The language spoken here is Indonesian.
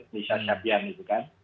nisha syabian gitu kan